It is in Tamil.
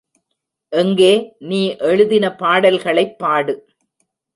எங்கே நீ எழுதின பாடல்களைப் பாடு.